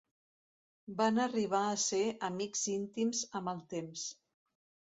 Van arribar a ser amics íntims amb el temps.